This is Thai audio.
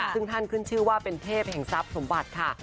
ซึ่งท่านขึ้นชื่อว่าเป็นเทพแห่งทรัพย์สมบัติค่ะ